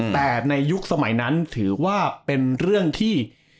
แต่ในยุคสมัยนั้นถือว่าเป็นเรื่องที่